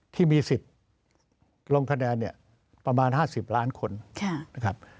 ที่มีสิทธิ์ลงคะแนนเนี่ยประมาณ๕๐ล้านคนนะครับ